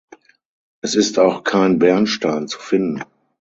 Es ist auch kein Bernstein zu finden.